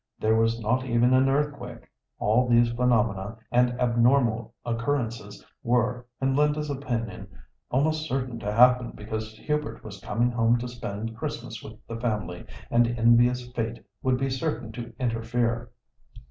There was not even an earthquake. All these phenomena and abnormal occurrences were, in Linda's opinion, almost certain to happen because Hubert was coming home to spend Christmas with the family, and envious Fate would be certain to interfere.